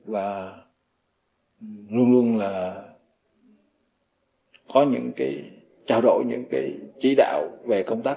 và luôn luôn là có những cái trao đổi những cái chỉ đạo về công tác